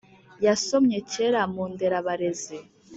yasomye kera mu ' nderabarezi'